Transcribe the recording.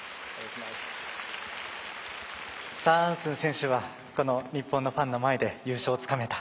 サアアンスン選手は日本のファンの前で優勝をつかめた。